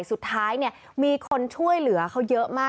สุดท้ายเนี่ยมีคนช่วยเหลือเขาเยอะมาก